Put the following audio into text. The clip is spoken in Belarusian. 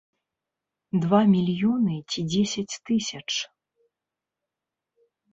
Два мільёны ці дзесяць тысяч?